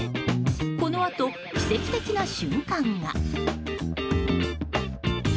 このあと、奇跡的な瞬間が。